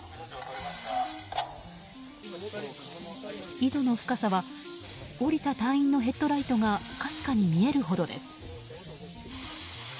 井戸の深さは下りた隊員のヘッドライトがかすかに見えるほどです。